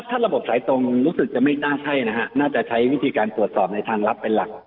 ถ้าระบบสายตรงรู้สึกจะไม่น่าใช่นะฮะน่าจะใช้วิธีการตรวจสอบในทางลับเป็นหลัก